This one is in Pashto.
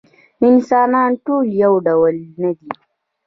انسانان ټول یو ډول نه دي.